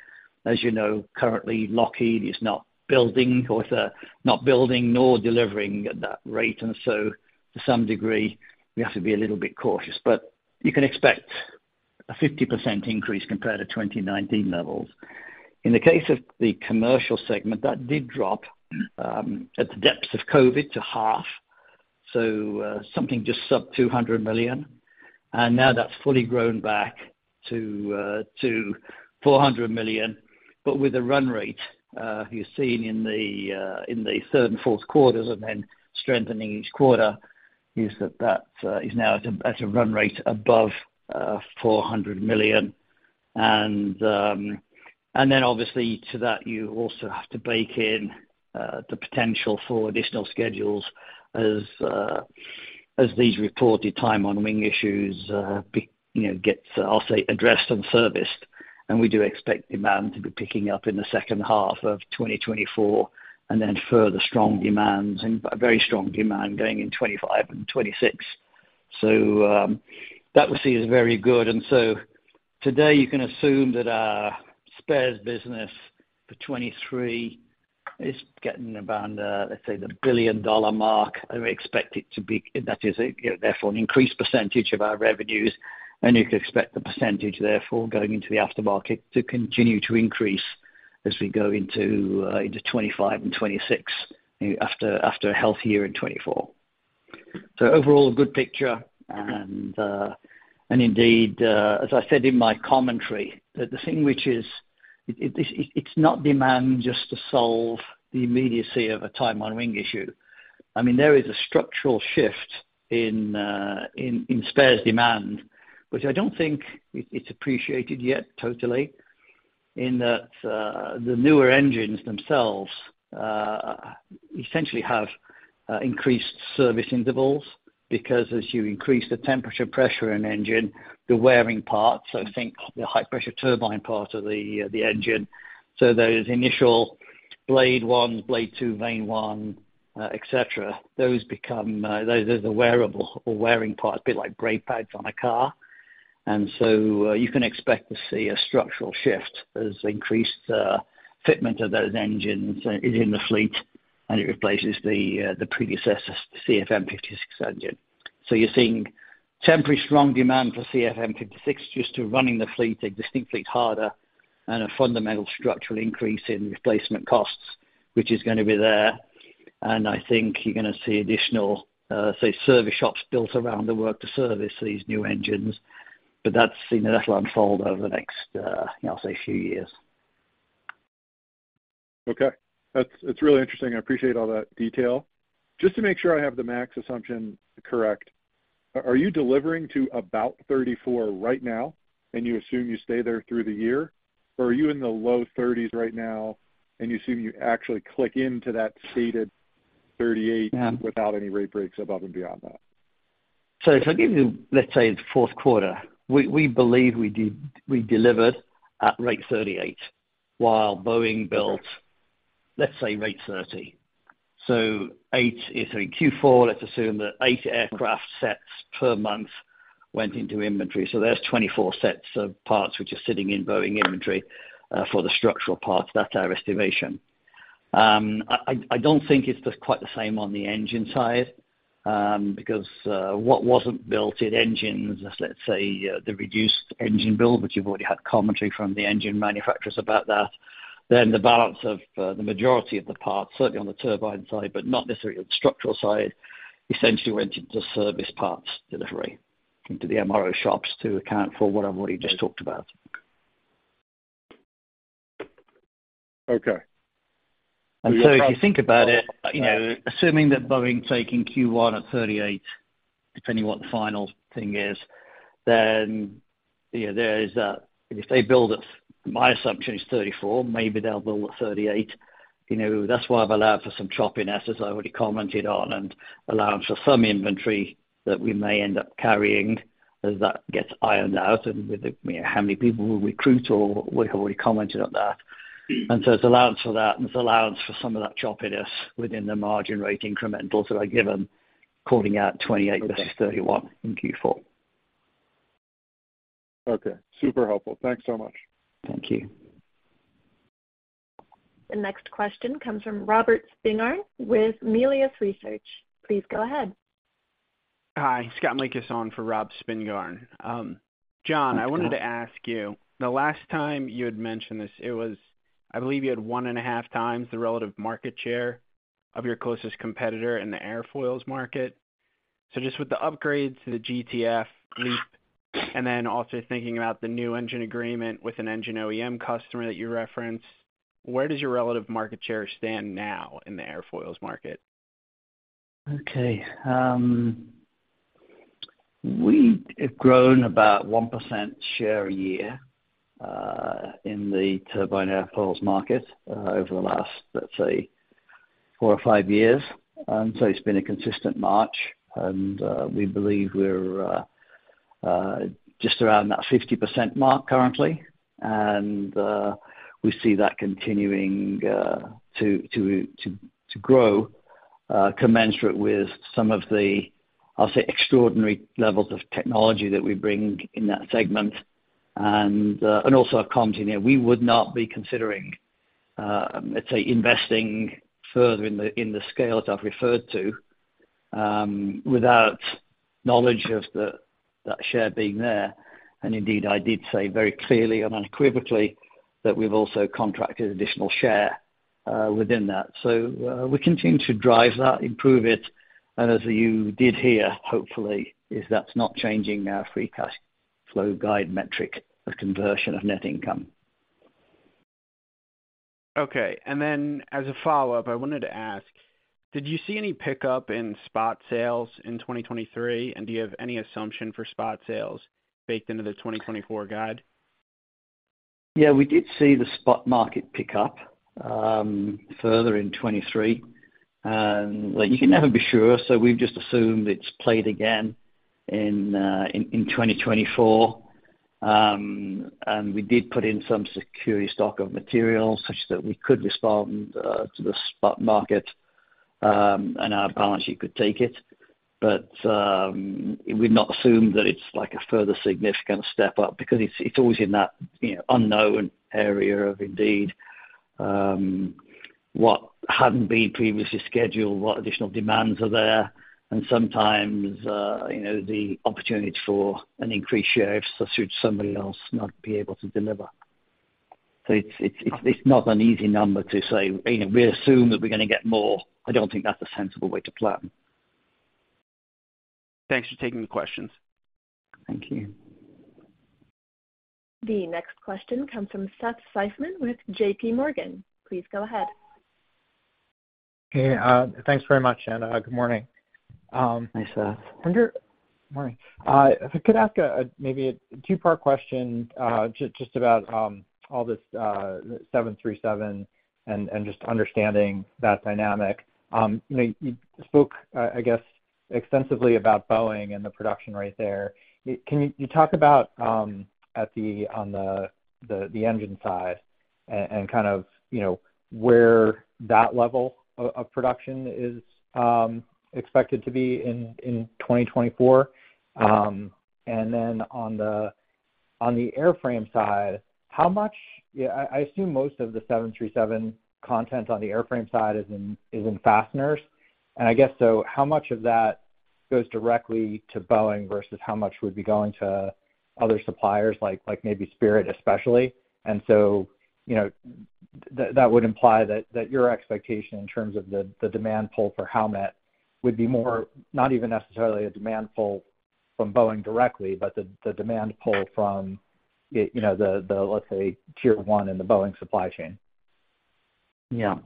as you know, currently, Lockheed is not building or not building nor delivering at that rate. And so to some degree, we have to be a little bit cautious. But you can expect a 50% increase compared to 2019 levels. In the case of the commercial segment, that did drop at the depths of COVID to half, so something just sub-$200 million. And now that's fully grown back to $400 million. But with the run rate you've seen in the third and fourth quarters and then strengthening each quarter is that that is now at a run rate above $400 million. Then obviously, to that, you also have to bake in the potential for additional schedules as these reported time-on-wing issues gets, I'll say, addressed and serviced. And we do expect demand to be picking up in the second half of 2024 and then further strong demands and very strong demand going in 2025 and 2026. So that we see as very good. And so today, you can assume that our spares business for 2023 is getting around, let's say, the $1 billion mark. And we expect it to be that is, therefore, an increased percentage of our revenues. And you could expect the percentage, therefore, going into the aftermarket to continue to increase as we go into 2025 and 2026 after a healthy year in 2024. So overall, a good picture. And indeed, as I said in my commentary, the thing which is it's not demand just to solve the immediacy of a time-on-wing issue. I mean, there is a structural shift in spares demand, which I don't think it's appreciated yet totally in that the newer engines themselves essentially have increased service intervals because as you increase the temperature pressure in an engine, the wearing parts, so think the high-pressure turbine part of the engine, so those initial Blade 1s, Blade 2, Vane 1, etc., those become those are wearable or wearing parts, a bit like brake pads on a car. And so you can expect to see a structural shift as increased fitment of those engines is in the fleet, and it replaces the predecessor's CFM56 engine. So you're seeing temporary strong demand for CFM56 just to running the fleet, existing fleet, harder, and a fundamental structural increase in replacement costs, which is going to be there. And I think you're going to see additional, say, service shops built around the work to service these new engines. But that'll unfold over the next, I'll say, few years. Okay. It's really interesting. I appreciate all that detail. Just to make sure I have the max assumption correct, are you delivering to about 34 right now, and you assume you stay there through the year? Or are you in the low 30s right now, and you assume you actually click into that stated 38 without any rate breaks above and beyond that? So if I give you, let's say, the fourth quarter, we believe we delivered at rate 38 while Boeing built, let's say, rate 30. So Q4, let's assume that 8 aircraft sets per month went into inventory. So there's 24 sets of parts which are sitting in Boeing inventory for the structural parts, that's our estimation. I don't think it's quite the same on the engine side because what wasn't built in engines, let's say, the reduced engine build, which you've already had commentary from the engine manufacturers about that, then the balance of the majority of the parts, certainly on the turbine side, but not necessarily on the structural side, essentially went into service parts delivery into the MRO shops to account for what I've already just talked about. Okay. And so if you think about it, assuming that Boeing's taking Q1 at 38, depending on what the final thing is, then there is that if they build it, my assumption is 34, maybe they'll build at 38. That's why I've allowed for some choppiness, as I already commented on, and allowance for some inventory that we may end up carrying as that gets ironed out and with how many people we recruit or we've already commented on that. And so there's allowance for that, and there's allowance for some of that choppiness within the margin rate incrementals that I've given calling out 28 versus 31 in Q4. Okay. Super helpful. Thanks so much. Thank you. The next question comes from Robert Spingarn with Melius Research. Please go ahead. Hi. Scott Mikus for Rob Spingarn. John, I wanted to ask you, the last time you had mentioned this, it was, I believe, you had 1.5x the relative market share of your closest competitor in the airfoils market. So just with the upgrades to the GTF, LEAP, and then also thinking about the new engine agreement with an engine OEM customer that you referenced, where does your relative market share stand now in the airfoils market? Okay. We have grown about 1% share a year in the turbine airfoils market over the last, let's say, four or five years. So it's been a consistent march. We believe we're just around that 50% mark currently. We see that continuing to grow commensurate with some of the, I'll say, extraordinary levels of technology that we bring in that segment. Also I've commented here, we would not be considering, let's say, investing further in the scale that I've referred to without knowledge of that share being there. Indeed, I did say very clearly and unequivocally that we've also contracted additional share within that. So we continue to drive that, improve it. As you did hear, hopefully, is that's not changing our free cash flow guide metric of conversion of net income. Okay. And then as a follow-up, I wanted to ask, did you see any pickup in spot sales in 2023? And do you have any assumption for spot sales baked into the 2024 guide? Yeah. We did see the spot market pick up further in 2023. You can never be sure. So we've just assumed it's played again in 2024. And we did put in some security stock of materials such that we could respond to the spot market, and our balance sheet could take it. But we've not assumed that it's a further significant step up because it's always in that unknown area of indeed what hadn't been previously scheduled, what additional demands are there, and sometimes the opportunity for an increased share if somebody else not be able to deliver. So it's not an easy number to say. We assume that we're going to get more. I don't think that's a sensible way to plan. Thanks for taking the questions. Thank you. The next question comes from Seth Seifman with JPMorgan. Please go ahead. Hey. Thanks very much, Anna. Good morning. Hi, Seth. I wonder if I could ask maybe a two-part question just about all this 737 and just understanding that dynamic. You spoke, I guess, extensively about Boeing and the production rate there. Can you talk about on the engine side and kind of where that level of production is expected to be in 2024? And then on the airframe side, how much I assume most of the 737 content on the airframe side is in fasteners. And I guess so, how much of that goes directly to Boeing versus how much would be going to other suppliers like maybe Spirit especially? And so that would imply that your expectation in terms of the demand pull for Howmet would be more not even necessarily a demand pull from Boeing directly, but the demand pull from the, let's say, tier one in the Boeing supply chain. Yeah.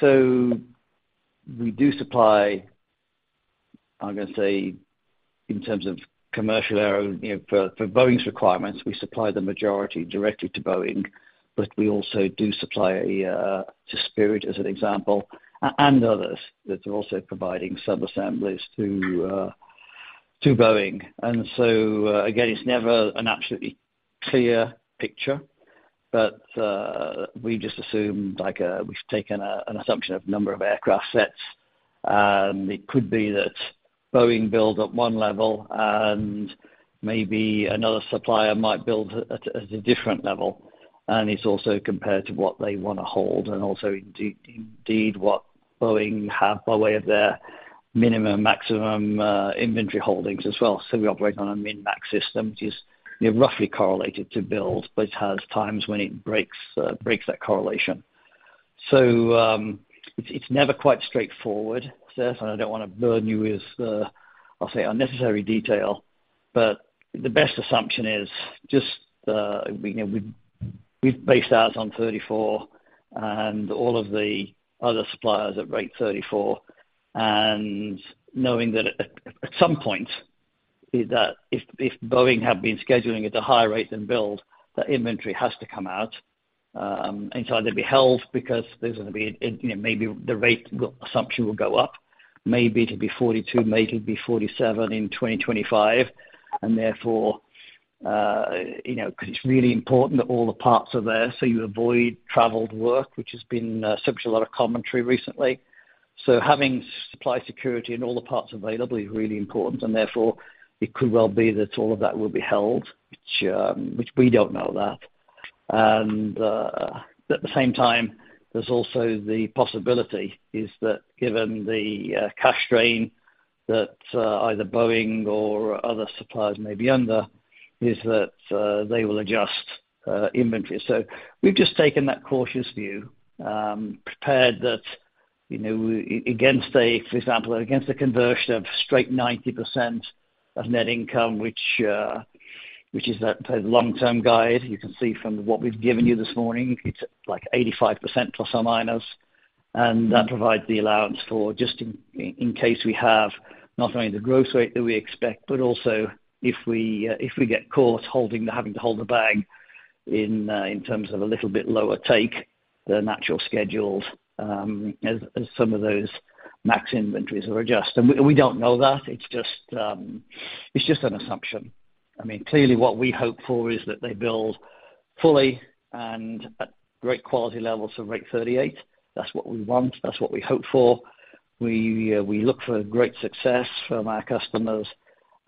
So we do supply, I'm going to say, in terms of commercial aero for Boeing's requirements, we supply the majority directly to Boeing. But we also do supply to Spirit as an example and others that are also providing sub-assemblies to Boeing. And so again, it's never an absolutely clear picture. But we just assume we've taken an assumption of number of aircraft sets. And it could be that Boeing builds at one level, and maybe another supplier might build at a different level. And it's also compared to what they want to hold and also indeed what Boeing have by way of their minimum, maximum inventory holdings as well. So we operate on a min-max system, which is roughly correlated to build, but it has times when it breaks that correlation. So it's never quite straightforward, Seth. I don't want to burn you with, I'll say, unnecessary detail. But the best assumption is just we've based ours on 34 and all of the other suppliers at rate 34. Knowing that at some point, if Boeing had been scheduling at a higher rate than build, that inventory has to come out. It'd be held because there's going to be maybe the rate assumption will go up. Maybe it'll be 42. Maybe it'll be 47 in 2025. Therefore because it's really important that all the parts are there so you avoid traveled work, which has been subject to a lot of commentary recently. So having supply security and all the parts available is really important. Therefore, it could well be that all of that will be held, which we don't know that. And at the same time, there's also the possibility is that given the cash strain that either Boeing or other suppliers may be under, is that they will adjust inventory. So we've just taken that cautious view, prepared that against a for example, against a conversion of straight 90% of net income, which is that long-term guide, you can see from what we've given you this morning, it's like 85% plus or minus. And that provides the allowance for just in case we have not only the gross rate that we expect, but also if we get caught having to hold a bag in terms of a little bit lower take, the natural schedules, as some of those max inventories are adjusted. And we don't know that. It's just an assumption. I mean, clearly, what we hope for is that they build fully and at great quality levels of rate 38. That's what we want. That's what we hope for. We look for great success from our customers.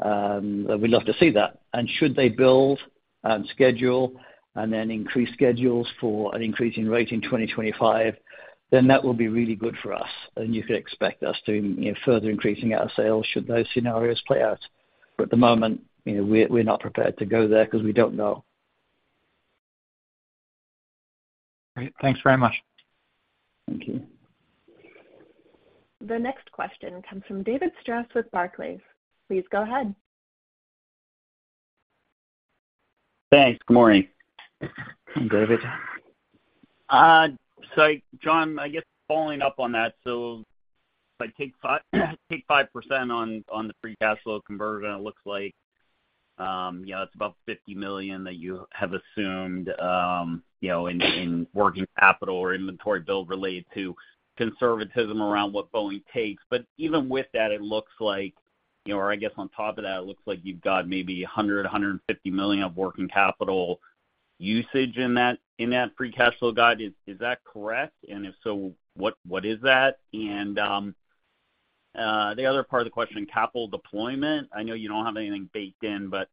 We'd love to see that. And should they build and schedule and then increase schedules for an increasing rate in 2025, then that will be really good for us. And you could expect us to further increasing our sales should those scenarios play out. But at the moment, we're not prepared to go there because we don't know. Great. Thanks very much. Thank you. The next question comes from David Strauss with Barclays. Please go ahead. Thanks. Good morning. David. So John, I guess following up on that. So if I take 5% on the free cash flow conversion, it looks like it's about $50 million that you have assumed in working capital or inventory build related to conservatism around what Boeing takes. But even with that, it looks like or I guess on top of that, it looks like you've got maybe $100 million-$150 million of working capital usage in that free cash flow guide. Is that correct? And if so, what is that? And the other part of the question, capital deployment, I know you don't have anything baked in, but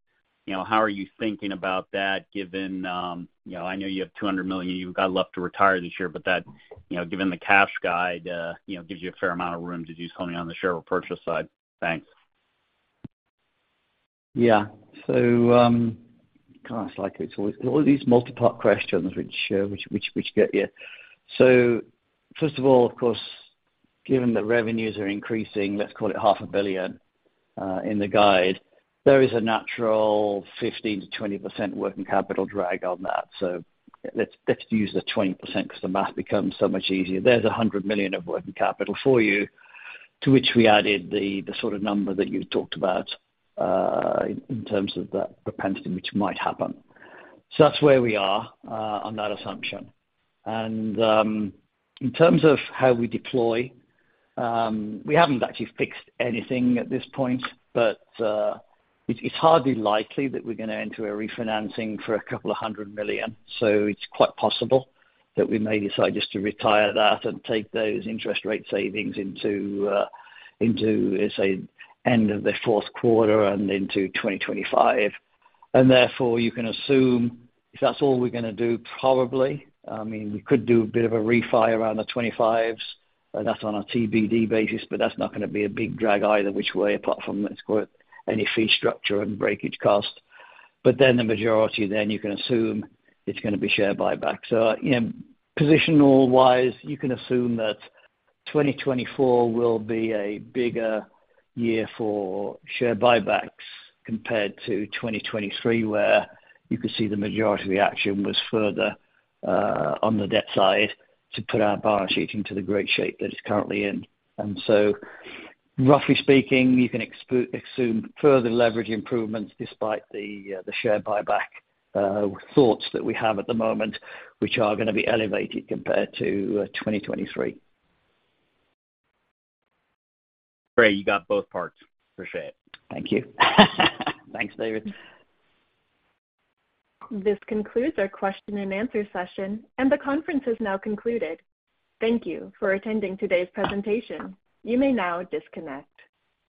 how are you thinking about that given I know you have $200 million. You've got left to retire this year. But given the cash guide, gives you a fair amount of room to do something on the share repurchase side. Thanks. Yeah. So gosh, it's all these multi-part questions which get you. So first of all, of course, given that revenues are increasing, let's call it $500 million in the guide, there is a natural 15%-20% working capital drag on that. So let's use the 20% because the math becomes so much easier. There's $100 million of working capital for you, to which we added the sort of number that you talked about in terms of that propensity, which might happen. So that's where we are on that assumption. And in terms of how we deploy, we haven't actually fixed anything at this point. But it's hardly likely that we're going to enter a refinancing for $200 million. So it's quite possible that we may decide just to retire that and take those interest rate savings into, let's say, end of the fourth quarter and into 2025. And therefore, you can assume if that's all we're going to do, probably. I mean, we could do a bit of a refi around the 2025s. That's on a TBD basis, but that's not going to be a big drag either which way apart from, let's quote, "any fee structure and breakage cost." But then the majority then, you can assume it's going to be share buyback. So position-wise, you can assume that 2024 will be a bigger year for share buybacks compared to 2023 where you could see the majority of the action was further on the debt side to put our balance sheet into the great shape that it's currently in. And so roughly speaking, you can assume further leverage improvements despite the share buyback thoughts that we have at the moment, which are going to be elevated compared to 2023. Great. You got both parts. Appreciate it. Thank you. Thanks, David. This concludes our question-and-answer session. The conference is now concluded. Thank you for attending today's presentation. You may now disconnect.